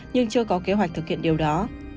nhưng chưa có kế hoạch thực hiện điều đó